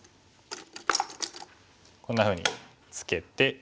こんなふうにツケて。